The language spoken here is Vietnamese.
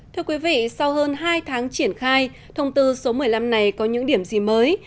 thưa quý vị sau hơn hai tháng triển khai thông tư số một mươi năm này có những điểm gì mới